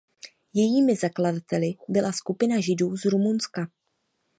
Jejími zakladateli byla skupina Židů z Rumunska.